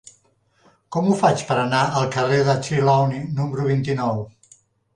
Com ho faig per anar al carrer de Trelawny número vint-i-nou?